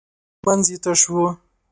منځ یې تش و .